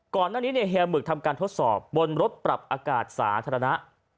ก่อนหน้านี้เฮียหมึกทำการทดสอบบนรถปรับอากาศสาธารณะ